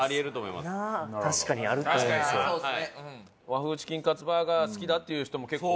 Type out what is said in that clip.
和風チキンカツバーガーが好きだっていう人も結構。